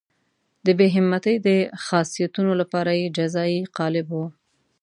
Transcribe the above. د بې همتۍ د خاصیتونو لپاره یې جزایي قالب وو.